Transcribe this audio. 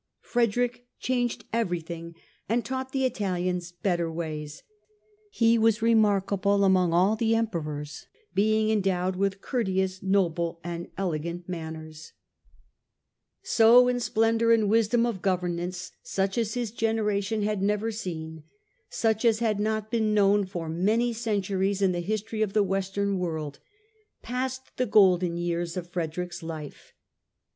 Frederick changed everything and taught the Italians better ways : he was remarkable among all the Emperors, being endowed with courteous, noble and elegant manners." 126 STUPOR MUNDI So, in splendour and wisdom of governance such as his generation had never seen, such as had not been known for many centuries in the history of the western world, passed the golden years of Frederick's life.